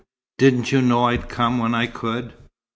Didn't you know I'd come when I could?"